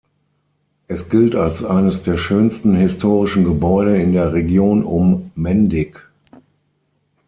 Es gilt als eines der schönsten historischen Gebäude in der Region um Mendig.